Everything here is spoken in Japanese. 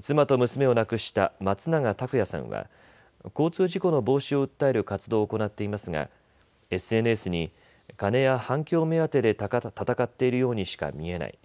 妻と娘を亡くした松永拓也さんは交通事故の防止を訴える活動を行っていますがＳＮＳに金や反響目当てで闘っているようにしか見えない。